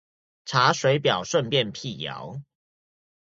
查水錶順便闢謠